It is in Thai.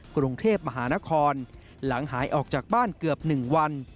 กรุงเทพมหานครหลังหายออกจากบ้านเกือบ๑วัน